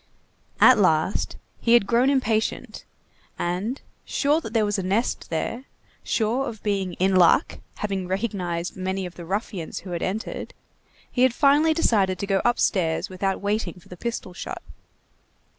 At last, he had grown impatient, and, sure that there was a nest there, sure of being in "luck," having recognized many of the ruffians who had entered, he had finally decided to go upstairs without waiting for the pistol shot.